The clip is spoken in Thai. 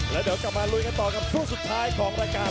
แล้วเดี๋ยวกลับมาลุยกันต่อกับช่วงสุดท้ายของรายการ